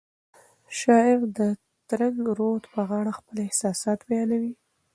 شاعر د ترنګ رود په غاړه خپل احساسات بیانوي.